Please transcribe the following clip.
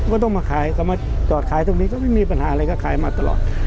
ก็ต้องมาขายก็มาจอดขายตรงนี้ก็ไม่มีปัญหาอะไรก็ขายมาตลอด